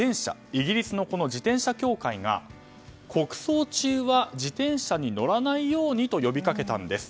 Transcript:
イギリスの自転車協会が国葬中は自転車に乗らないようにと呼びかけたんです。